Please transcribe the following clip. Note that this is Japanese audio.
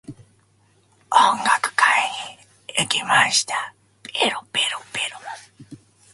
音楽会に行きました。